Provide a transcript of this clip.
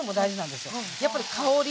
やっぱり香り。